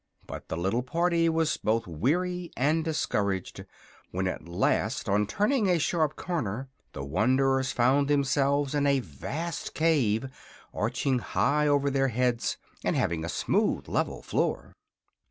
But the little party was both weary and discouraged when at last, on turning a sharp corner, the wanderers found themselves in a vast cave arching high over their heads and having a smooth, level floor.